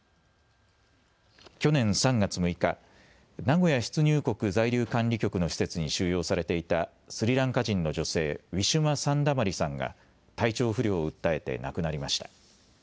去年３月６日、名古屋出入国在留管理局の施設に収容されていたスリランカ人の女性、ウィシュマ・サンダマリさんが体調不良を訴えて亡くなりました。